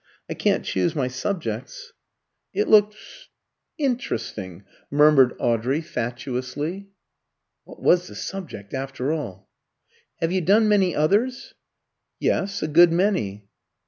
I can't choose my subjects." "It looks interesting," murmured Audrey, fatuously. (What was the subject, after all?) "Have you done many others?" "Yes, a good many."